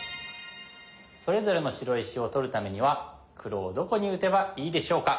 それぞれの白石を取るためには黒をどこに打てばいいでしょうか？